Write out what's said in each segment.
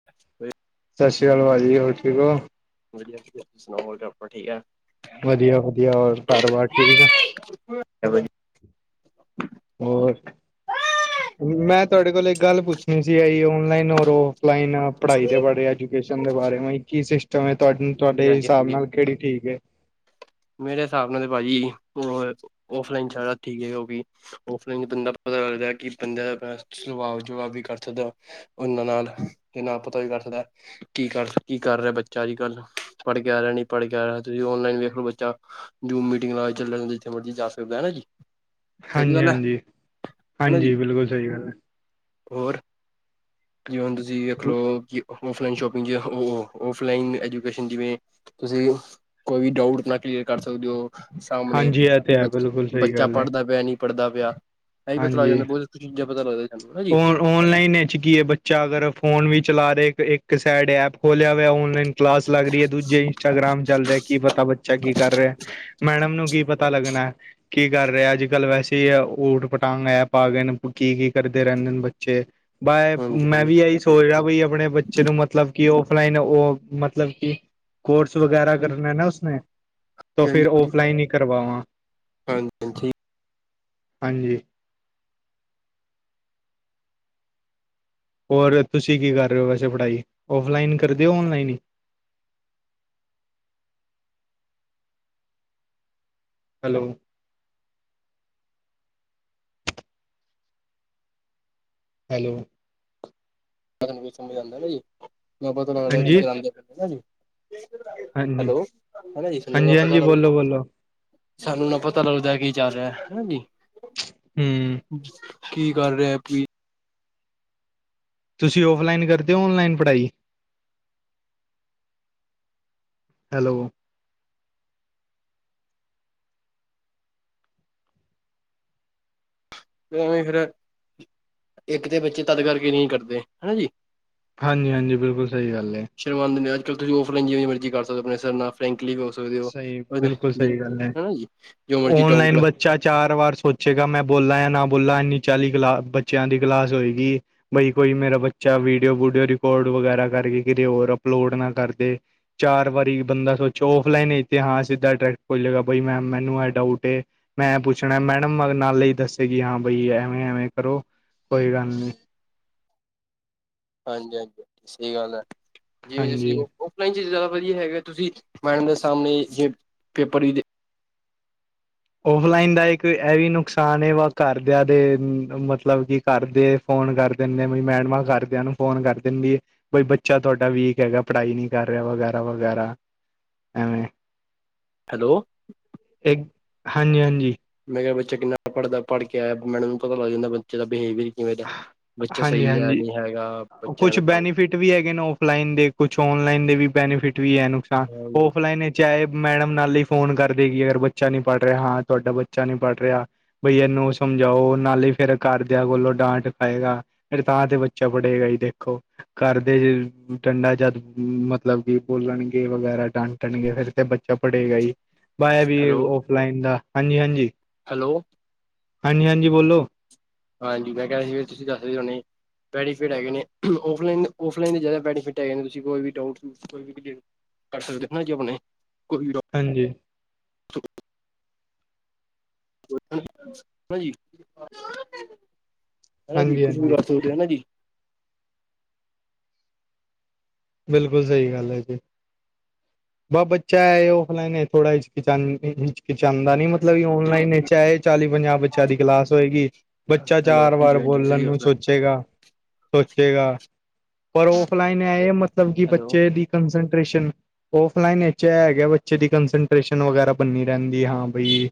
[unintelligible] ਸਤਿ ਸ਼੍ਰੀ ਅਕਾਲ ਭਾਜੀ, ਹੋਰ ਠੀਕ ਹੋ? ਵਧੀਆ ਜੀ, ਤੁਸੀਂ ਸੁਣਾਓ ਔ? ਆਪਾਂ ਠੀਕ ਆ? ਵਧੀਆ-ਵਧੀਆ, ਹੋਰ ਘਰ ਬਾਰ ਠੀਕ ਆ? ਹੈ [unintelligible] ਉਹ, ਹੋਰ ਮੈਂ ਤੁਹਾਡੇ ਕੋਲ ਇੱਕ ਗੱਲ ਪੁੱਛਣੀ ਸੀ। ਪਾਜੀ ਔਨਲਾਈਨ ਔਰ ਔਫਲਾਈਨ। ਪੜਈ ਦੇ ਬਾਰੇ, ਐਜੂਕੇਸ਼ਨ ਦੇ ਬਾਰੇ, ਕੀ ਸਿਸਟਮ ਹੈ, ਤੁਹਾ ਜੀ ਤੁਹਾਡੇ ਹਾਂਜੀ ਹਿਸਾਬ ਹਾਂਜੀ ਨਾਲ ਕਿਹੜੀ ਠੀਕ ਹੈ। ਮੇਰੇ ਹਿਸਾਬ ਨਾਲ ਤੇ ਭਾਜੀ, ਔਫਲਾਈਨ ਠੀਕ ਹੈ। ਔਫਲਾਈਨ ਤੇ ਬੰਦਾ ਪਤਾ ਲਗਦਾ ਏ ਕਿ, ਬੰਦਾ ਅਪ ਸੁਵਾਵ ਜਵਾਬ ਵੀ ਕਰ ਸਕਦਾ। ਉਹਨਾਂ ਨਾਲ, ਏਨਾ ਪਤਾ ਵੀ ਕਰ ਸਕਦਾ। ਕੀ ਕਰ, ਕੀ ਕਰ ਰਿਹਾ, ਬੱਚਾ ਅੱਜ-ਕੱਲ। ਪੜ ਕੇ ਆ ਰਿਹਾ, ਨੀ ਪੜ ਕੇ ਆ ਰਿਹਾ, ਤੁਸੀਂ ਔਨਲਾਈਨ ਵੇਖ ਲੋ। ਜੂ ਮੀਟਿੰਗ ਲਾ ਕੇ, ਚੱਲ ਜਾਂਦਾ ਜਿੱਥੇ ਮਰਜੀ ਜਾ ਸਕਦਾ ਹਨਾ, ਜੀ। ਸਹੀ ਹਾਂਜੀ- ਗੱਲ ਹੈ ਹਾਂਜੀ, ਹਨਾ ਜੀ ਹਾਂਜੀ ਬਿਲਕੁਲ, ਸਹੀ ਗੱਲ ਹੈ। ਹੋਰ, ਜਿ ਹੁਣ ਤੁਸੀਂ, ਵੇਖ ਲਓ ਕਿ ਔਫਲਾਈਨ ਸ਼ੋਪਿੰਗ ਜ, ਉਹ ਔਫਲਾਈਨ ਐਜੂਕੇਸ਼ਨ ਜਿਵੇਂ ਤੁਸੀਂ ਕੋਈ ਵੀ ਡਾਊਟ ਅਪਨਾ, ਕਲੀਅਰ ਕਰ ਸਕਦੇ ਹੋ। ਸਾਹਮਣੇ ਹਾਂਜੀ ਇਹ ਕਿ ਤੇ ਹੈ ਬ ਬਿਲਕੁਲ ਸਹੀ ਬੱਚਾ, ਗੱਲ ਹੈ ਪੜਦਾ ਪਿਆ ਨੀ ਪੜਦਾ ਪਿਆ, ਏਇ ਪਤਾ ਲੱਗ ਜਾਂਦਾ, ਬਹੁ ਤੁਸੀਂ ਚੀਜਾਂ ਪਤਾ ਲੱਗਦਾ ਜੀ। ਸਾਨੂੰ ਹਨਾ ਉਹ ਔਨਲਾਈਨ ਚ ਕੀ ਹੈ, ਬੱਚਾ ਅਗਰ ਫੋਨ ਵੀ ਚਲਾ ਰਿਹਾ, ਇੱਕ ਸਾਈਡ ਐਪ ਹੋਲੇਆ ਹੋਇਆ, ਔਨਲਾਈਨ ਕਲਾਸ ਲੱਗ ਰਹੀ ਏ, ਦੂਜੇ ਇੰਸਟਾਗ੍ਰਾਮ ਚੱਲ ਰੇਆ, ਕੀ ਪਤਾ ਬੱਚਾ ਕੀ ਕਰ ਰੇਆ ਏ? ਮੈਡਮ ਨੂੰ ਕੀ ਪਤਾ ਲੱਗਣਾ ਏ? ਕੀ ਕਰ ਰੇਆ ਅੱਜ ਕੱਲ ਵੈਸੇ ਈ, ਆ ਊਟ ਪਟਾਂਗ ਐਪ ਆ ਗਏ ਨੇ, ਕੀ-ਕੀ? ਕਰਦੇ ਰਹਿੰਦੇ ਨੇ ਬੱਚੇ, ਬਾਏ ਹਾਂਜੀ ਮੈਂ ਵੀ ਏਹੀ ਸੋਚ ਰੇਆ ਬੀ ਅਪਣੇ ਬੱਚੇ ਨੂੰ, ਮਤਲਬ ਕਿ ਔਫਲਾਈਨ ਉਹ, ਮਤਲਬ ਕਿ, ਕੋਰਸ ਚੋ ਕੇਹ ਰਾ ਕਰਨਾ ਨਾ ਉਸਨੇ, ਤੋਂ ਫਿਰ ਔਫਲਾਈਨ ਈ ਕਰਵਾਵਾ। ਹਾਂਜੀ-ਹਾਂਜੀ। ਹਾਂਜੀ। ਹੋਰ ਤੁਸੀਂ ਕੀ ਕਰ ਰਹੇ ਹੋ ਵੈਸੇ ਪੜ੍ਹਾਈ? ਔਫਲਾਈਨ ਕਰਦੇ ਔ, ਔਨਲਾਈਨ ਈ? ਹੈਲੋ। ਹੈਲੋ। ਪੇਲੇ ਏਨੂੰ ਕੋਈ ਸਮਝਾਂਦਾ ਨਾ ਜੀ, ਨਾ ਪਤਾ ਲੱਗਦਾ ਹਾਂਜੀ, ਕੀ ਕਰਾਂਦੇ? ਹਨਾ ਜੀ। ਹਾਂਜੀ, ਹੈਲੋ, ਹਨਾ ਜੀ ਹਾਂਜੀ, [unintelligible] ਪਤਾ ਹਾਂਜੀ ਬੋਲੋ, ਬੋਲੋ ਸਾਨੂੰ ਨਾ ਪਤਾ ਲੱਗਦਾ, ਕੀ ਚੱਲ ਰਿਆ ਏ? ਹਨਾ ਜੀ। ਹੂੰ। ਕੀ ਕਰ ਰੇਆ, ਕੀ? ਤੁਸੀਂ ਔਫਲਾਈਨ ਕਰਦੇ ਔ, ਔਨਲਾਈਨ ਪੜ੍ਹਾਈ? ਹੈਲੋ। [unintelligible] ਇੱਕ ਤੇ ਬੱਚੇ ਤਦ ਕਰਕੇ ਨਈ ਕਰਦੇ, ਹਨਾ ਜੀ। ਹਾਂਜੀ-ਹਾਂਜੀ, ਬਿਲਕੁਲ ਸਈ ਗੱਲ ਏ। ਸ਼ਰਮਾਂਦੇ ਨੇ, ਅੱਜ-ਕੱਲ੍ਹ ਤੁਸੀ ਔਫਲਾਈਨ ਜਿਵੇ ਮਰਜ਼ੀ ਕਰ ਸਕਦੇ, ਆਪਣੇ ਸਰ ਨਾਲ ਫਰੈਂਕਲੀ ਵੀ ਹੋ ਸਕਦੇ ਹੋ, ਸਹੀ ਬਿਲਕੁਲ [unintelligible] ਸਹੀ ਹਨਾ ਜੀ, ਜੋ ਮਰਜੀ ਡਾਊਟ ਲਾ ਚਾ ਚਾਰ ਵਾਰ ਸੋਚੇਗਾ, ਮੈਂ ਬੋਲਾ ਯਾ ਨਾ ਬੋਲਾ, ਇੰਨੀ ਚਾਲੀ ਕਲਾ ਬੱਚਿਆਂ ਦੀ ਕਲਾਸ ਹੋਏਗੀ। ਬਈ ਕੋਈ ਮੇਰਾ ਬੱਚਾ ਵੀਡੀਓ, ਵੂਡੀਓ ਰੀਕੋਰਡ ਵਗੈਰਾ ਕਰਕੇ, ਕਿਤੇ ਹੋਰ ਅਪਲੋਡ ਨਾ ਕਰਦੇ। ਚਾਰ ਵਾਰੀ ਬੰਦਾ ਸੋਚੋ ਪਲੇ ਨੀ ਤੇ ਹਾਂ, ਸਿੱਦਾ ਡਾਰੈਕਟ ਬੋਲੇਗਾ, ਬਈ ਮੈਮ ਮੈਨੂੰ ਏਹ ਡਾਊਟ ਏ। ਮੈਂ ਏਹ ਪੁੱਛਣਾ ਏ, ਮੈਡਮ ਮ ਨਾਲੇ ਈ ਦੱਸੇਗੀ, ਹਾਂ ਬਈ ਐਵੇਂ-ਐਵੇਂ ਕਰੋ, ਕੋਈ ਗੱਲ ਨੀ। ਹਾਂਜੀ-ਹਾਂਜੀ, ਸਈ ਗੱਲ ਐ, ਜਿਵੇਂ ਜਸੀਂ ਹਾਂਜੀ। ਉਹ ਔਫਲਾਈਨ ਚ ਜਾਦਾ ਵਦੀਆ ਹੈਗਾ, ਤੁਸੀਂ ਮੈਡਮ ਦੇ ਸਾਮਣੇ ਜੇ ਪੇਪਰ ਵੀ ਦੇ ਔਫਲਾਈਨ ਦਾ ਇੱਕ ਏਹ ਵੀ ਨੁਕਸਾਨ ਏ, ਵ ਕਾਰਦੇਆਂ ਦੇ ਮਤਲਬ ਕਿ ਕਰਦੇ ਫੋਨ ਕਰ ਦਿੰਦੇ, ਵੀ ਮੈਡਮਾਂ ਕਰਦੇਆਂ ਨੂੰ ਫੋਨ ਕਰ ਦਿੰਦੀ ਏ। ਕੋਈ ਬੱਚਾ ਤੁਹਾਡਾ ਵੀਕ ਹੈਗਾ, ਪੜ੍ਹਾਈ ਨਈ ਕਰ ਰਿਆ ਵਗੈਰਾ-ਵਗੈਰਾ। ਐਵੇਂ ਹੈਲੋ। ਇੱਕ ਹਾਂਜੀ-ਹਾਂਜੀ। ਮੈਂ ਕਿਆ ਬੱਚੇ ਕਿੰਨਾ ਪੜ੍ਹਦਾ, ਪੜ੍ਹ ਕੇ ਆਇਆ, ਮੈਡਮ ਨੂੰ ਪਤਾ ਲੱਗ ਜਾਂਦਾ ਬੱਚੇ ਦਾ ਬਿਹੇਕੀਅਰ। ਬੱਚਾ ਹਾਂਜੀ ਸਹੀ ਹੈ ਹਾਂਜੀ ਨਹੀਂ ਹੈਗਾ। ਬੱਚਾ ਕੁਛ ਐਵੇਂ ਕੰਮ ਬੈਨੀਫਿਟ ਵੀ ਹੈਗੇ ਨੇ ਔਫਲਾਈਨ ਦੇ ਕੁਛ ਔਨਲਾਈਨ ਦੇ ਵੀ ਬੈਨੀਫਿਟ ਵੀ ਹੈ, ਨੁਕਸਾਨ ਔਫਲਾਈਨ ਚਾਹੇ ਮੈਡਮ ਨਾਲ ਹੀ ਫੋਨ ਕਰਦੇ ਕਿ ਅਗਰ ਬੱਚਾ ਨੀ ਪੜ੍ਹ ਰਿਹਾ ਹਾਂ ਤੁਹਾਡਾ ਬੱਚਾ ਨਹੀਂ ਪੜ੍ਹ ਰਿਹਾ। ਬਈ ਇਹਨੂੰ ਸਮਝਾਓ। ਨਾਲ ਹੀ ਫੇਰ ਕਰਦਿਆਂ ਕੋਲੋਂ ਡਾਂਟ ਖਾਏਗਾ। ਫਿਰ ਤਾਂ ਤੇ ਬੱਚਾ ਪੜੇਗਾ ਜੀ ਦੇਖੋ। ਘਰਦੇ ਜ ਡੰਡਾ ਜਦ, ਮਤਲਬ ਕਿ ਬੋਲਣਗੇ ਵਗੈਰਾ, ਡਾਂ ਕੁਟਣਗੇ, ਫੇਰ ਤੇ ਬੱਚਾ ਪੜ੍ਹੇਗਾ ਈ, ਬਾ ਏਹ ਵੀ ਏ ਹੈਲੋ ਔਫਲਾਈਨ ਦਾ, ਹਾਂਜੀ-ਹਾਂਜੀ। ਹੈਲੋ। ਹਾਂਜੀ-ਹਾਂਜੀ ਬੋਲੋ। ਹਾਂਜੀ ਮੈਂ ਕੇਹ ਰੇਆ ਸੀ, ਫਿਰ ਤੁਸੀਂ ਦੱਸਦੇ ਹੋਣੇ। ਬੈਨੀਫਿਟ ਹੈਗੇ ਨੇ, ਔਫਲਾਈਨ-ਔਫਲਾਈਨ ਜੇ ਜਾਦਾ ਬੈਨੀਫਿਟ ਹੈਗੇ ਨੇ, ਤੁਸੀਂ ਕੋਈ ਵੀ ਡਾਊਟ, ਕੋਈ ਵੀ ਕਲੀਅਰ ਕਰ ਸਕਦੇ ਔ ਨਾ ਜੇ ਹੁਣੇ, ਕੋਈ ਵੀ ਡਾ ਹਾਂਜੀ। ਹਨਾ ਜੀ, ਹਨਾ ਜੀ, ਹਾਂਜੀ ਕੁਛ ਵੀ ਹਾਂਜੀ ਕਰ ਸਕਦੇ ਔ ਨਾ ਜੀ? ਬਿਲਕੁਲ ਸਈ ਗੱਲ ਏ ਜੀ। ਬਾਹ ਬੱਚਾ ਏ, ਔਫਲਾਈਨ ਇੱਚ ਥੋੜਾ ਹਿਚਕੀਚਾਨ ਹਿਚਕਿਚਾਂਦਾ ਨਈ ਮ ਮਤਲਬ ਔਨਲਾਈਨ ਨੇ ਚਾਹੇ ਚਾਲੀ- ਪੰਜਾਹ ਬੱਚਿਆਂ ਦੀ ਕਲਾਸ ਹੋਏਗੀ। ਬੱਚਾ ਹੈਲੋ ਚਾਰ ਵਾਰ ਹਾਂਜੀ ਹਾਂਜੀ ਬੋਲਣ ਸਹੀ ਨੂੰ ਗੱਲ ਹੈ ਸੋਚੇਗਾ। ਸੋਚੇਗਾ। ਪਰ ਔਫਲਾਈਨ ਇਹ ਮਤਲਬ ਕਿ ਹੈਲੋ ਬੱਚੇ ਦੀ ਕੰਸਟ੍ਰੇਸ਼ਨ ਓਫਲਾਈਨ ਹੈ ਬੱਚੇ ਦੀ ਕੰਸਟੇਸ਼ਨ ਵਗੈਰਾ ਬਣਨੀ ਰਹਿੰਦੀ ਹਾਂ ਬਈ।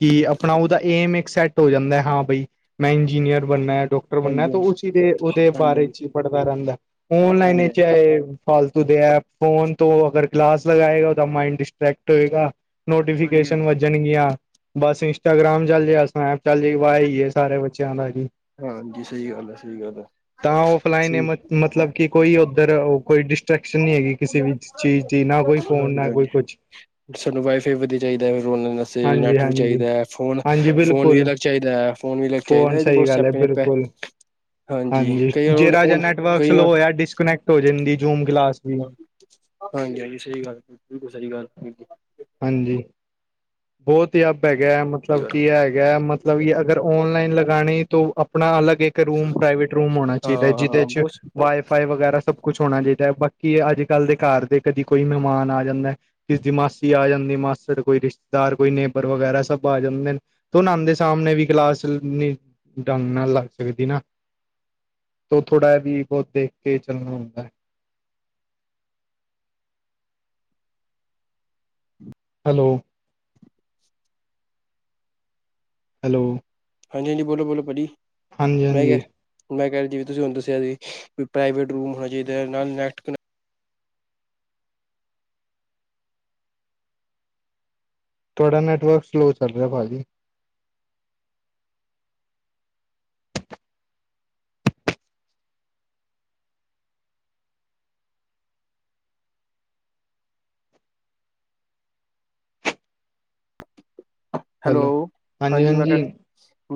ਕਿ ਆਪਣਾ ਉਹਦਾ ਏਮ ਇੱਕ ਸੈਟ ਹੋ ਜਾਂਦਾ ਹਾਂ ਬਾਈ। ਮੈਂ ਇੰਜੀਨੀਅਰ ਬਣਨਾ। ਡਾ ਹਾਂਜੀ ਉਸ ਦੇ ਉਹਦੇ ਹਾਂਜੀ ਬਾਰੇ ਹਾਂਜੀ ਚ' ਹੀ ਪੜ੍ਹਦਾ ਰਹਿੰਦਾ। ਔਨਲਾਈਨ ਹਾਂਜੀ ਚਾਹੇ ਫਾਲਤੂ ਦੇ ਐਪ ਫੋਨ ਤੋਂ ਅਗਰ ਕਲਾਸ ਲਗਾਏਗਾ ਤਾਂ ਮਾਈਡ ਡਿਸਟ੍ਰੈਕਟ ਹੋਏਗਾ। ਹਾਂਜੀ ਹਾਂਜੀ ਨੋਟੀਫਿਕੇਸ਼ਨ ਵ ਜਾਣਗੀਆਂ। ਬਸ ਇੰਸਟਾਗ੍ਰਾਮ ਚੱਲ ਜੇ, ਸੈਪ ਚੱਲ ਜੇ, ਸਾਰੇ ਬੱਚਿਆਂ ਦਾ ਜੀ। ਹਾਂਜੀ ਸਹੀ ਗੱਲ ਹੈ ਸਹੀ ਗੱਲ ਹੈ ਤਾਂ ਉਹ ਫਲਾਈਨ ਸਹੀ ਮਤਲਬ ਕਿ ਕੋਈ ਉੱਧਰ ਕੋਈ ਡਿਸਟਰ੍ਰੈਕਸ਼ਨ ਨਹੀਂ ਹੈਗੀ ਕਿਸੇ ਵੀ ਚੀਜ਼ ਦੀ ਨਾ ਕੋਈ ਫੋਨ ਹਾਂਜੀ ਨਾ ਕੋਈ ਹਾਂਜੀ ਕੁਛ। ਸਾਨੂੰ ਵਾਈਫਾਈ ਵਧੀਆ ਚਾਹੀਦਾ ਹੈ। ਫੇਰ ਰੋ ਵਾਸਤੇ ਹਾਂਜੀ ਨੈੱਟ ਵੀ ਹਾਂਜੀ ਚਾਹੀਦਾ ਹੈ, ਫੋਨ ਹਾਂਜੀ ਫੋਨ ਵੀ ਬਿਲਕੁਲ ਅਲੱਗ ਚਾਹੀਦਾ ਹੈ। ਫੋਨ ਵੀ ਲੈ ਕੇ ਆਈਦਾ। ਫੋਨ ਇਹਦੇ ਬਲ ਸਹੀ ਗੱਲ ਹੈ ਬਿਲਕੁਲ। ਹਾਂਜੀ, ਕਈ ਵਾਰ ਹੁਣ ਜਿਹੜਾ ਜਿਹਾ ਹੁਣ ਨੈਟਵਰਕ ਕਈ ਸਲੋ ਵਾਰ ਹੋ ਡਿਸਕਨੈਕਟ ਹੋ ਜਾਂਦੀ। ਗਿਲਾਸ ਵੀ। ਹਾਂਜੀ- ਹਾਂਜੀ ਸਹੀ ਗੱਲ, ਬਿਲਕੁਲ ਸਹੀ ਗੱਲ। ਹਾਂਜੀ। ਬਹੁਤ ਹੀ ਅੱਪ ਹੈਗਾ। ਸਹੀ ਮਤਲਬ ਗੱਲ ਕੀ ਹੈਗਾ ਮਤ ਮਤਲਬ ਅਗਰ ਔਨਲਾਈਨ ਲਗਾਣੇ ਤਾਂ ਆਪਣਾ ਅਲਗ ਇੱਕ ਇੱਕ ਰੂਮ ਪ੍ਰਾਈਵੇਟ ਰੂਮ ਹੋਣਾ ਚਾਹੀਦਾ। ਜਿਹਦੇ ਹਾਂ ਚ ਬਹੁਤ ਵਾਈਫਾਈ ਵਗੈਰਾ ਸਭ ਕੁਛ ਹੋਣਾ ਚਾਹੀਦਾ ਹੈ। ਬਾਕੀ ਅੱਜ ਕੱਲ ਦੇ ਘਰ ਦੇ ਕਦੀ ਕੋਈ ਮਹਿਮਾਨ ਆ ਜਾਂਦਾ। ਜਦੀ ਮਸ ਕਦੀ ਆ ਜਾਂਦੀ। ਮਾਸਟਰ ਕੋਈ ਰਿਸ਼ਤੇਦਾਰ, ਕੋਈ ਨੇਬਰ ਵਗੈਰਾ ਸਭ ਆ ਜਾਂਦੇ। ਤੂੰ ਨਉ ਦੇ ਸਾਹਮਣੇ ਵੀ ਕਲਾਸ ਨ ਡੰਗ ਨਾਲ ਲੱਗ ਸਕਦੀ ਨਾ। ਤ ਥੋੜ੍ਹਾ ਜ ਵੀ ਬਹੁਤ ਦੇਖ ਕੇ ਚੱਲਣਾ ਹੁੰਦਾ। ਹੈਲੋ, ਹੈਲੋ, ਹਾਂਜੀ -ਹਾਂਜੀ ਬੋਲੋ- ਬੋਲੋ ਭਾਜੀ ਹਾਂਜੀ ਮੈਂ ਕਿਹਾ। ਹਾਂਜੀ ਮੈਂ ਕਹਿ ਜਵੇ ਤੁਸੀਂ ਹੁੂੰ ਦੱਸਿਆ ਸੀ ਵੀ। ਪ੍ਰਾਈਵੇਟ ਰੂਮ ਹੋਣਾ ਚਾਹੀਦਾ। ਨਾਲ ਨੈਕਟ ਤੁਹਾਡਾ ਨੈਟਵਰਕ ਸਲੋ ਚੱਲ ਰਿਹਾ ਭਾਅ ਜੀ। ਹੈਲੋ, ਹਾਂਜੀ। ਮੈਂ ਕਿਹਾ,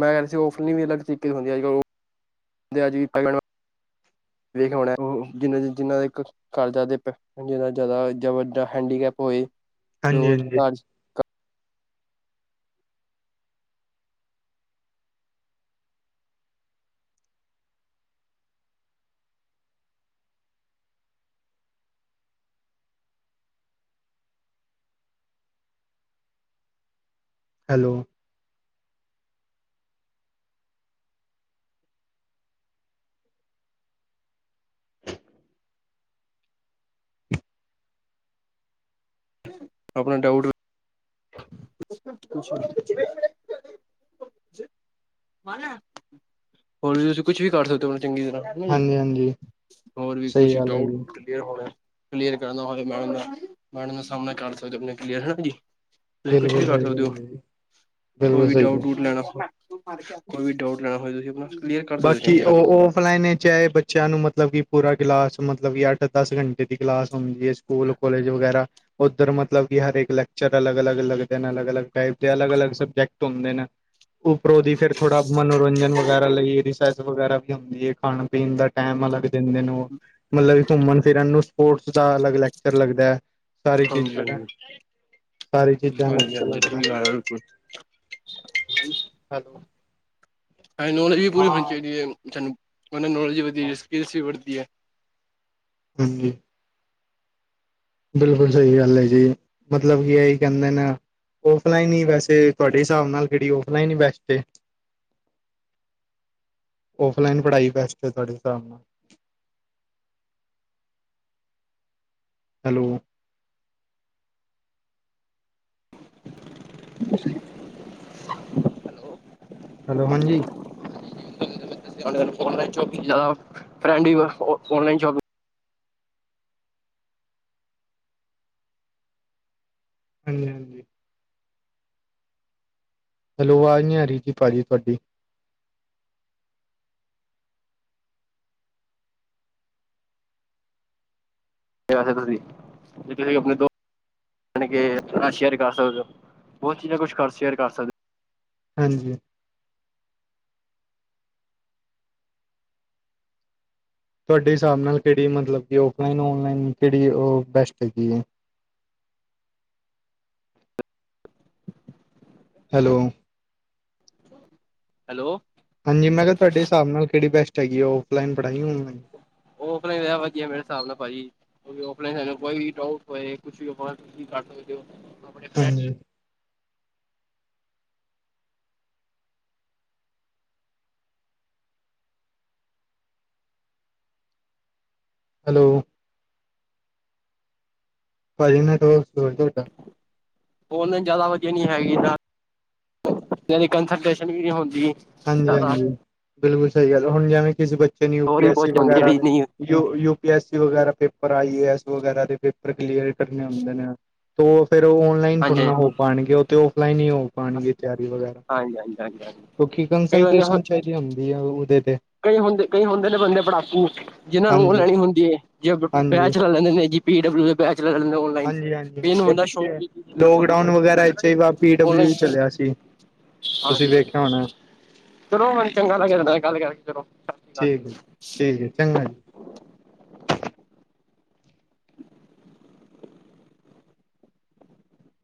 ਮੈਂ ਕਿਹਾ ਸੀ। ਓਫਨਲੀ ਵੀ ਅਲੱਗ ਤਰੀਕੇ ਦੀ ਹੁੰਦੀ। ਅੱਜ ਵੇਖ ਹੋਣਾ। ਜਿੰਨਾ, ਜਿੰਨਾ ਦਾ ਇੱਕ ਘਰ ਜ਼ਿਆਦਾ ਵੱਡਾ ਹੈਂਡੀਕੈਪ ਹੋਏ ਹਾਂਜੀ ਉਹ ਹਾਂਜੀ ਘਰ ਹੈਲੋ, ਆਪਣਾ ਡਾਊਟ। [unintelligible] ਹੋਰ ਵੀ ਤੁਸੀਂ ਕੁਛ ਵੀ ਕਰ ਸਕਦੇ ਹੋ ਚੰਗੀ ਤਰ੍ਹਾਂ। ਹਨਾ ਜੀ। ਹਾਂਜੀ-ਹਾਂਜੀ ਹੋਰ ਵੀ ਸਹੀ ਕੁਛ ਗੱਲ ਹੈ ਡਾਊਟ ਜੀ ਕਲੀਅਰ ਕਰਨਾ ਹੋਵੇ ਮੈਡਮ ਦਾ ਸਾਹਮਣਾ ਕਰ ਸਕਦੇ ਆਪਣੇ ਕਲੀਅਰ ਜੀ। ਤੁਸੀਂ ਕੁਛ ਵੀ ਬਿਲਕੁਲ ਕਰ ਸਹੀ ਸਕਦੇ ਹੋ ਗੱਲ ਹੈ ਜੀ ਕੋਈ ਬਿਲਕੁਲ ਵੀ ਸਹੀ ਡਾਊਟ ਗੱਲ ਲੈਣਾ ਹੋਵੇ। ਕੋਈ ਵੀ ਡਾਊਟ ਲੈਣਾ ਹੋਏ ਤੁਸੀਂ ਆਪਣਾ ਕਲੀਅਰ ਕਰ ਸਕਦੇ ਹੋ ਬਾਕੀ ਚੰਗੀ ਤਰ੍ਹਾਂ। ਉਹ ਔਫਲਾਈਨ ਚਾਹੇ ਬੱਚਿਆਂ ਨੂੰ ਮਤਲਬ ਕਿ ਪੂਰਾ ਕਲਾਸ ਮਤਲਬ ਕਿ ਅੱਠ- ਦਸ ਘੰਟੇ ਦੀ ਕਲਾਸ ਹੁੰਦੀ ਹੈ ਸਕੂਲ, ਕੋਲਜ ਵਗੈਰਾ। ਉੱਧਰ ਮਤਲਬ ਹ ਲੈਕਚਰ ਅਲੱਗ -ਅਲੱਗ ਲੱਗਦੇ। ਅਲੱਗ -ਅਲੱਗ ਟਾਈ ਦੇ ਅਲੱਗ ਅਲੱ ਸਬਜੈਕਟ ਹੁੰਦੇ ਨੇ। ਉੱਪਰੋਂ ਦੀ ਫੇਿਰ ਥੋੜਾ ਮਨੋਰੰਜਨ ਵਗੈਰਾ ਲਈ। ਵਗਰਾ ਵੀ ਹੁੰਦੀ ਹੈ ਖਾਣ- ਪੀਣ ਦਾ ਟਮ ਅਲੱਗ ਦਿੰਦੇ ਉਹ। ਮਤਲਬ ਘੁੰਮਣ- ਫਿਰਨ ਨੂੰ ਸਪੋਰਟਸ ਦਾ ਅਲੱਗ ਲੈਕਚਰ ਲੱਗਦਾ ਹੈ। ਸਾਰੀ ਹਾਂਜੀ ਚੀਜ਼ਾਂ, ਹਾਂਜੀ। ਸਾਰੀ ਚੀਜ਼ਾਂ ਹਾਂਜੀ ਅੱਛਾ ਹਾਂਜੀ ਲੱਗਦਾ। ਠੀਕ ਆ [inaudible] ਹੈਲੋ। ਨੌਲੇਜ ਵੀ ਪੂਰੀ ਹੋਣੀ ਹਾਂ। ਚਾਹੀਦੀ ਹੈ ਸਾਨੂੰ ਉਹ ਨੌਲੇਜ ਵੀ ਵਧਦੀ ਸਕਿਲ ਵਧਦੀ ਹੈ। ਹਾਂਜੀ। ਬਿਲਕੁਲ ਸਹੀ ਗੱਲ ਹੈ ਜੀ ਮਤਲਬ ਕੀ ਇਹੀ ਕਹਿੰਦੇ ਨੇ ਓਫਲਾਈਨ ਹੀ ਵੈਸੇ ਤੁਹਾਡੇ ਹਿਸਾਬ ਨਾਲ ਕਿਹੜੀ ਓਫਲਾਈਨ ਹੀ ਬੈਸਟ ਏ। ਔਫਲਾਈਨ ਪੜ੍ਹਾਈ ਬੈਸਟ ਹੈ ਤੁਹਾਡੇ ਹਿਸਾਬ ਨਾਲ। ਹੈਲੋ। ਹੈਲੋ ਹਾਂਜੀ। ਆਨਲਾਈਨ ਸ਼ਾਪਿੰਗ ਆ ਫਰੈਂਡ ਔਨਲਾਈਨ ਸ਼ੋਪਿੰਗ ਹਾਂਜੀ ਹਾਂਜੀ। ਹੈਲੋ ਆਵਾਜ ਨਹੀਂ ਆ ਰਹੀ ਜੀ ਭਾਜੀ ਤੁਹਾਡੀ। ਕੀ ਕਰਦੇ ਹੋ ਤੁਸੀਂ ਆਪਣੇ ਦੋ ਯਾਨੀ ਕਿ ਸ਼ੇਅਰ ਕਰ ਸਕਦੇ ਹੋ ਬਹੁਤ ਚੀਜ਼ਾਂ ਕੁਛ ਕਰ ਸ਼ੇਅਰ ਕਰ ਸਕਦੇ ਹੋ। ਹਾਂਜੀ। ਤੁਹਾਡੇ ਹਿਸਾਬ ਨਾਲ ਕਿਹੜੀ ਮਤਲਬ ਕਿ ਔਫਲਾਈਨ ਔਨਲਾਈਨ ਕਿਹੜੀ ਉਹ ਬੈਸਟ ਹੈਗੀ ਹੈ। ਹੈਲੋ। ਹੈਲੋ। ਹਾਂਜੀ ਮੈਂ ਕਿਹਾ ਤੁਹਾਡੇ ਹਿਸਾਬ ਨਾਲ ਕਿਹੜੀ ਬੈਸਟ ਹੈਗੀ ਆ ਔਫਲਾਈਨ ਪੜ੍ਹਾਈ ਆਨਲਾਈਨ। ਆਫਲਾਈਨ ਵਧੀਆ ਮੇਰੇ ਹਿਸਾਬ ਨਾਲ ਭਾਜੀ। ਕਿਉਕਿ ਔਫਲਾਈਨ ਕੋਈ ਵੀ ਡਊਟ ਹੋ ਕੁਛ ਵੀ ਹੋਏ ਤੁਸੀ ਕਰ ਸਕਦੇ ਹੋ। ਆਪਣੇ ਫਰੈਂਡ ਹਾਂਜੀ। ਹੈਲੋ। ਭਾਜੀ, ਨੈੱਟਵਰਕ ਸਲੋ ਹੈ ਤੁਹਾਡਾ। ਔਨਲਾਈਨ ਜ਼ਿਆਦਾ ਵਧੀਆ ਨੀ ਹੈਗੀ ਕੰਸਰਨਟੈਸ਼ਨ ਵੀ ਨਹੀਂ ਹੁੰਦੀ। ਹਾਂਜੀ ਜ਼ਿਆਦਾ। ਹਾਂਜੀ ਬਿਲਕੁਲ ਸਹੀ ਗੱਲ ਹੁਣ ਜਿਵੇਂ ਕਿਸੇ ਬੱਚੇ ਯੂਪੀ ਹੋਰ ਵੀ ਐਸ ਸੀ ਬਹੁਤ ਹੁੰਦੀ ਵਗੈਰਾ ਜਿਹੜੀ ਦੇ ਨਹੀਂ ਯੂ ਪੀ ਐਸ ਵਗੈਰਾ ਪੇਪਰ ਆਈਏਸ ਵਗੈਰਾ ਦੇ ਪੇਪਰ ਕਲੀਅਰ ਕਰਨੇ ਹੁੰਦੇ ਨੇ ਤੇ ਉਹ ਫੇਰ ਉਹ ਔਨਲਾਈਨ ਹਾਂਜੀ ਥੋੜ੍ਹਾ ਨਾ ਹੋ ਪਾਣਗੇ ਉਹ ਤੇ ਔਫਲਾਈਨ ਹੀ ਹੋ ਪਾਣਗੇ ਤਿਆਰੀ ਵਗੈਰਾ। ਹਾਂਜੀ ਹਾਂਜੀ ਹਾਂਜੀ ਹਾਂਜੀ। ਕਿਉਂਕਿ ਕਈ ਬੰਦੇ ਕੰਸਰਟੇਸ਼ਨ ਚਾਹੀਦੀ ਹੁੰਦੀ ਹੈ ਉਹਦੇ ਤੇ। ਕਈ ਹੁੰਦੇ ਕਈ ਹੁੰਦੇ ਨੇ ਬੰਦੇ ਪੜਾਕੂ ਜਿਹਨੂੰ ਨੋਲਜ ਹਾਂਜੀ ਲੈਣੀ ਹੁੰਦੀ ਹੈ ਜੇ ਬੈਚ ਹਾਂਜੀ ਚਲਾ ਲੈਂਦੇ ਨੇ। ਪੀ ਡਬਲਿਊ ਦੇ ਬੈਚ ਲੈ ਲੈਦੇ ਨੇ ਓ। ਹਾਂਜੀ ਹਾਂਜੀ ਹਾਂਜੀ ਪਿੱਛੇ ਲੋਕਡਾਊਨ ਵਗੈਰਾ ਇਥੇ ਹੀ ਪੀਡਬਲਿਊ ਔਨਲਾਈਨ ਚਲਿਆ ਸੀ। ਤੁਸੀਂ ਹਾਂਜੀ ਵੇਖਿਆ ਹੋਣਾ। ਚਲੋ ਮੈਨੂੰ ਚੰਗਾ ਲੱਗਿਆ ਤੁਹਾਡੇ ਨਾਲ ਗੱਲ ਕਰ ਚਲੋ ਸਤਿ ਸ਼੍ਰੀ ਅਕਾਲ ਠੀਕ ਹੈ ਜੀ। ਠੀਕ ਹੈ ਚੰਗਾ ਜੀ।